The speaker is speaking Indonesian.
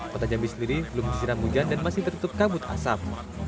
kota jambi sendiri belum disiram hujan dan masih tertutup kabut asap